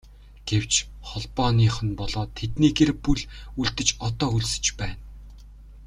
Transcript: Гэвч Холбооныхон болоод тэдний гэр бүл үлдэж одоо өлсөж байна.